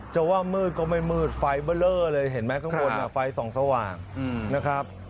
จะว่ามืดก็ไม่มืดฟ้ายเบลอเลยเห็นไมั้งข้างบนฟ้ายสองสว่างนะครับ